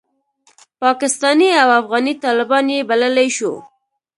پاکستاني او افغاني طالبان یې بللای شو.